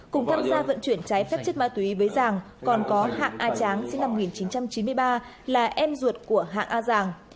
cùng tham gia vận chuyển trái phép chất ma túy với giàng còn có hạng a tráng sinh năm một nghìn chín trăm chín mươi ba là em ruột của hạng a giàng